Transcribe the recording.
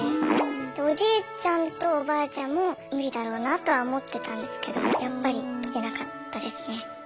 おじいちゃんとおばあちゃんも無理だろうなとは思ってたんですけどやっぱり来てなかったですね。